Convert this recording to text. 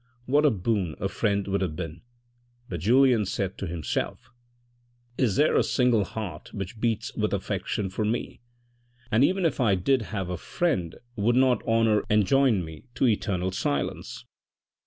What a boon a friend would have been ! But Julien said to himself, " Is there a single heart which beats with affection for me ? And even if I did have a friend, would not honour enjoin me to eternal silence